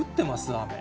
雨。